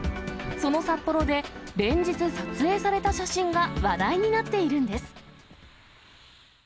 その札幌で、連日撮影された写真が話題になっているんです。